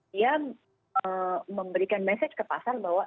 dia memberikan message ke pasar bahwa